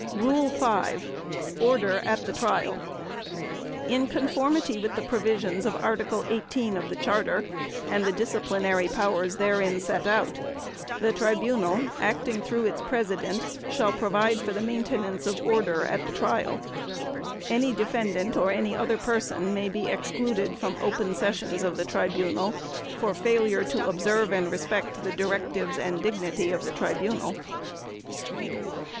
Rule 5. Order at the Trial. In conformity with the provisions of Article 18 of the Charter, and the disciplinary powers therein set out, the Tribunal, acting through its President, shall provide for the maintenance of order at the Trial. Any defendant or any other person may be excluded from open sessions of the Tribunal for failure to observe and respect the directives and dignity of the Tribunal.